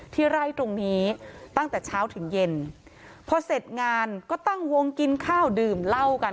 ไร่ตรงนี้ตั้งแต่เช้าถึงเย็นพอเสร็จงานก็ตั้งวงกินข้าวดื่มเหล้ากัน